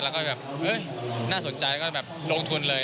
แล้วก็แบบน่าสนใจก็แบบลงทุนเลย